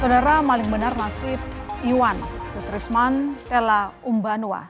saudara maling benar nasib iwan sutrisman ella umbanua